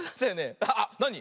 あっなに？